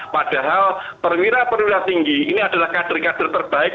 padahal perwira perwira tinggi ini adalah kader kader terbaik